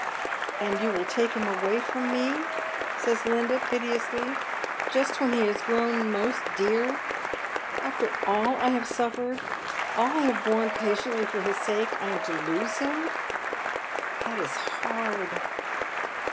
" And you will take him away from me," says Linda, piteously •'* just when he has grown most dear. After all I have suffered — all I have borne patiently for his sake — I am to lose him. That is hard."